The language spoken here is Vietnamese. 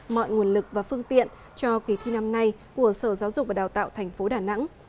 mọi nguồn lực và phương tiện cho kỳ thi năm nay của sở giáo dục và đào tạo tp đà nẵng